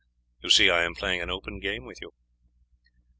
You see I am playing an open game with you."